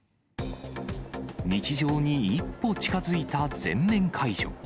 日常に一歩近づいた全面解除。